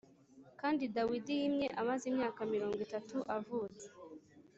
Kandi Dawidi yimye amaze imyaka mirongo itatu avutse